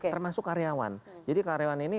termasuk karyawan jadi karyawan ini